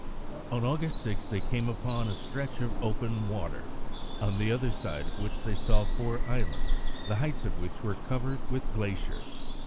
On August 6 they came upon a stretch of open water, on the other side of which they saw four islands, the heights of which were covered with glacier.